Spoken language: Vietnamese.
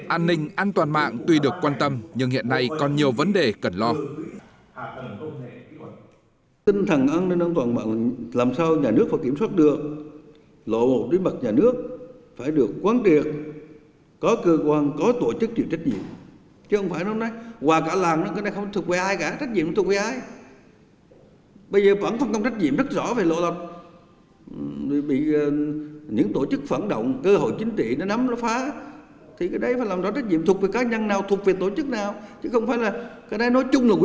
an ninh an toàn mạng tuy được quan tâm nhưng hiện nay còn nhiều vấn đề cần lo